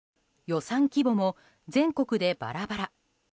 予算規模も全国でバラバラ。